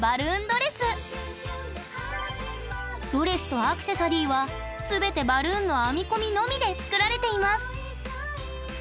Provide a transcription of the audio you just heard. ドレスとアクセサリーは全てバルーンの編み込みのみで作られています。